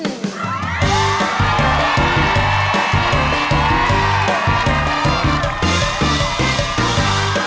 ครับ